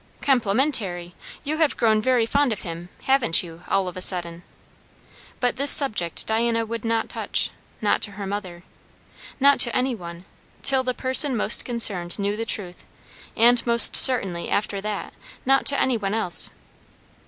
"Complimentary! You have grown very fond of him, haven't you, all of a sudden?" But this subject Diana would not touch. Not to her mother Not to any one, till the person most concerned knew the truth; and most certainly after that not to any one else.